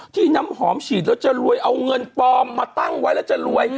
น้ำหอมฉีดแล้วจะรวยเอาเงินปลอมมาตั้งไว้แล้วจะรวย